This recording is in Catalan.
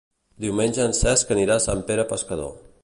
Diumenge en Cesc anirà a Sant Pere Pescador.